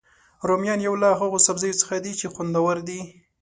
رومیان یو له هغوسبزیو څخه دي چې خوندور دي